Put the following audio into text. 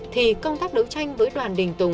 thì công tác đấu tranh với đoàn đình tùng